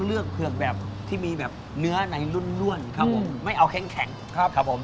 เลือกผือกที่มีเนื้อในรุ่นครับผมไม่เอาแข็งแข็งครับผม